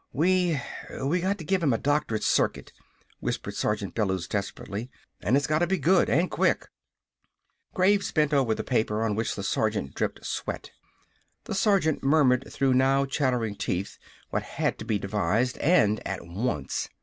"We we got to give him a doctored circuit," whispered Sergeant Bellews desperately, "and it's got to be good an' quick!" Graves bent over the paper on which the sergeant dripped sweat. The sergeant murmured through now chattering teeth what had to be devised, and at once.